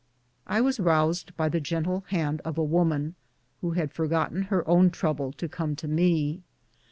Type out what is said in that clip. I was roused by the gentle hand of a woman, who had forgotten her own troubles to come to me.